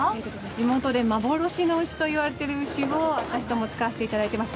地元で幻の牛といわれている牛を私ども使わせていただいております。